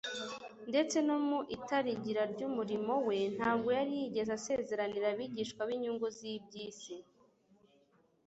Ndetse no mu itarigira ry'umurimo we, ntabwo yari yigeze asezeranira abigishwa be inyungu z'iby'isi.